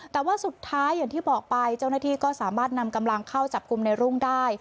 แต่ว่าสุดท้ายอย่างที่บอกไปเจ้าหน้าที่ก็สามารถนำกำลังเข้าจับกลุ่มในรุ่งได้